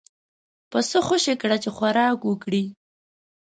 پسه خوشی کړه چې خوراک وکړي.